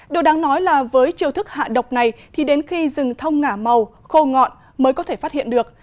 điều đáng nói là với chiều thức hạ độc này thì đến khi rừng thông ngả màu khô ngọn mới có thể phát hiện được